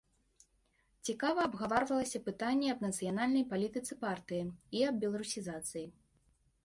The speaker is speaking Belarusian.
Цікава абгаварвалася пытанне аб нацыянальнай палітыцы партыі і аб беларусізацыі.